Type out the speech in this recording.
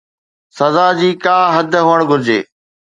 سزا جي ڪا حد هئڻ گهرجي